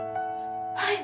はい。